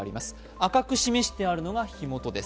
赤く示してあるのが火元です。